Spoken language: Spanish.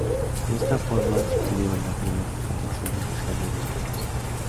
De esta forma, se tuvieron las nuevas instalaciones en terrenos propios.